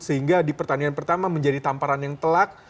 sehingga di pertandingan pertama menjadi tamparan yang telak